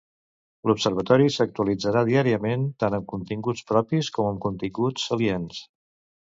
L'Observatori s'actualitzarà diàriament tant amb continguts propis com amb continguts aliens.